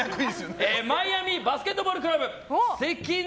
マイアミバスケットボールクラブ関根